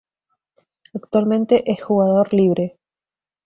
Actualmente es jugador Libre